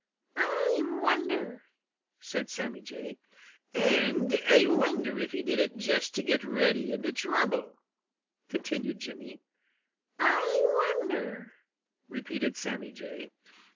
"I wonder," said Sammy Jay. "And I wonder if he did it just to get Reddy into trouble," continued Jimmy. "I wonder," repeated Sammy Jay.